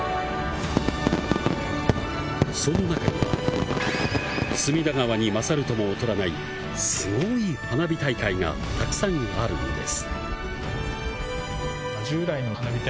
その中には、隅田川に勝るとも劣らないスゴい花火大会が、たくさんあるんです。